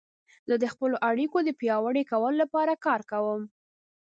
زه د خپلو اړیکو د پیاوړي کولو لپاره کار کوم.